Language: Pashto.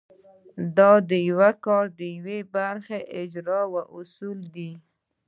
دا د کار د یوې برخې اجرا اصول دي.